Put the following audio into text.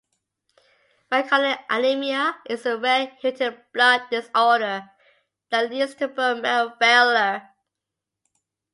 Fanconi Anemia is a rare, inherited blood disorder that leads to bone marrow failure.